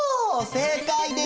正解です！